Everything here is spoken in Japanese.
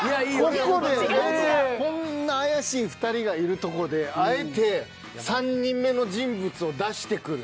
ここでこんな怪しい２人がいるとこであえて３人目の人物を出してくる。